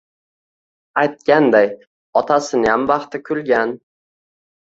Aytganday, otasiniyam baxti kulgan…